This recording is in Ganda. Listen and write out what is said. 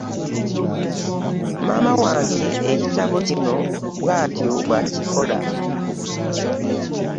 Maama wange ekitabo kino bwatyo bw'akikola